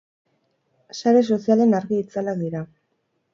Sare sozialen argi-itzalak dira.